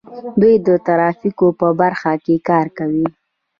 دوی د ترافیکو په برخه کې کار کوي.